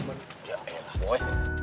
ya elah boy